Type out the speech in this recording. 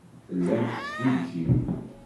Tellam tettgijjim.